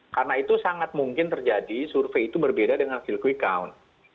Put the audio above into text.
karena itu sangat mungkin terjadi survei itu berbeda dengan hasil quick count